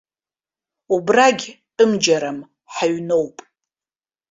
Убрагь тәымџьарам, ҳаҩноуп.